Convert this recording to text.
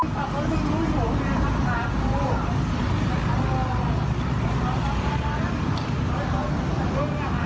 จมใส้ล่อยผมสองแชร์รอด